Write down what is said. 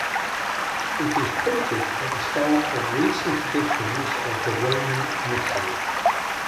It is printed at the start of recent editions of the Roman Missal.